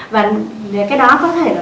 và cái đó có thể là